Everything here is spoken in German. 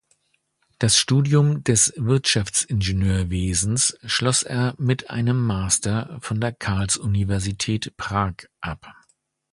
Das Studium des Wirtschaftsingenieurwesens schloss er mit einem Master von der Karls-Universität Prag ab.